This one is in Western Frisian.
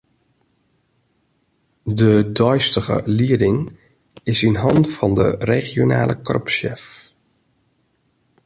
De deistige lieding is yn hannen fan de regionale korpssjef.